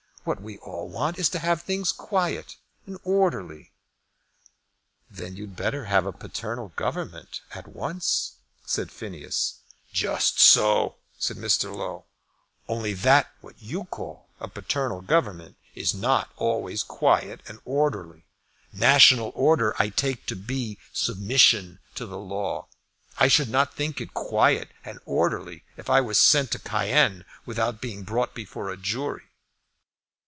What we all want is to have things quiet and orderly." "Then you'd better have a paternal government at once," said Phineas. "Just so," said Mr. Low, "only that what you call a paternal government is not always quiet and orderly. National order I take to be submission to the law. I should not think it quiet and orderly if I were sent to Cayenne without being brought before a jury."